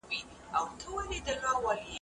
راسي.